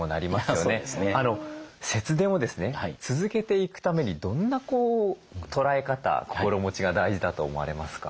節電をですね続けていくためにどんな捉え方心持ちが大事だと思われますか？